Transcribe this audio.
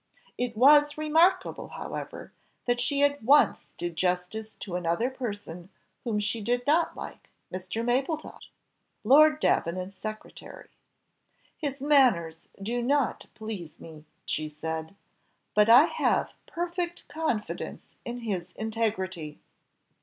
It was remarkable, however, that she at once did justice to another person whom she did not like, Mr. Mapletofft, Lord Davenant's secretary. "His manners do not please me," she said, "but I have perfect confidence in his integrity."